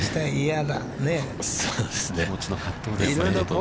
◆気持ちの葛藤ですね。